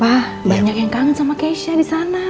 wah banyak yang kangen sama keisha disana